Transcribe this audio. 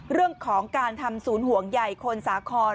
เรื่องของการทำศูนย์ห่วงใหญ่คนสาคร